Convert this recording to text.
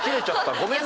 ごめんね。